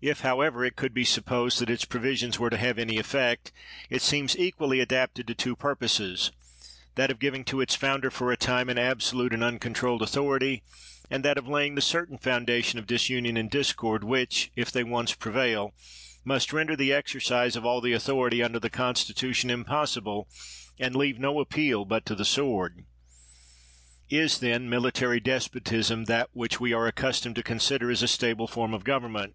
If, however, it could be supposed that its pro visions were to have any effect, it seems equally adapted to two purposes— that of giving to its founder for a time an absolute and uncontrolled authority, and that of laying the certain founda tion of disunion and discord which, if they once prevail, must render the exercise of all the au thority under the constitution impossible and leave no appeal but to the sword. Is, then, military despotism that which we are accustomed to consider as a stable form of gov ernment?